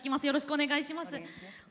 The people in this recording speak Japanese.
お願いします。